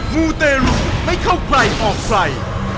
มูเตรุให้เข้าใครออกใส่